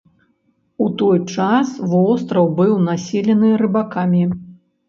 У той час востраў быў населены рыбакамі.